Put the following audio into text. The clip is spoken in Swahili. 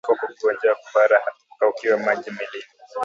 Mnyama aliyekufa kwa ugonjwa wa kuhara hukaukiwa maji mwilini